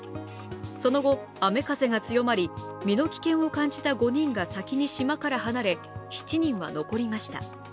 その後、雨・風が強まり身の危険を感じた５人が先に島から離れ７人は残りました。